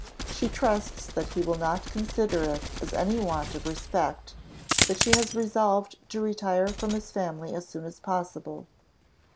She trusts that he will not consider it as any want of respect, that she has resolved to retire from his family as soon as possible.